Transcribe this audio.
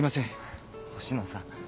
星野さん。